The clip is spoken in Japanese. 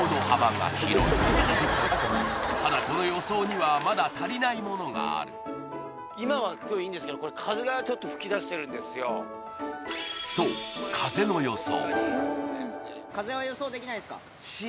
ただこの予想にはまだ足りないものがある今は今日いいんですけどそう風の予想